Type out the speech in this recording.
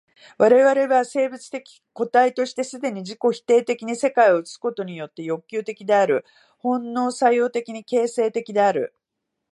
我々は生物的個体として既に自己否定的に世界を映すことによって欲求的である、本能作用的に形成的である。